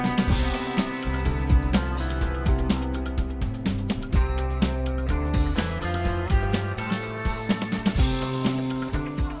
aku berharap dengan mereka